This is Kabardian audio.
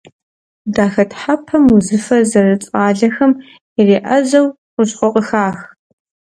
Дахэтхьэпэм узыфэ зэрыцӏалэхэм иреӏэзэу хущхъуэ къыхах.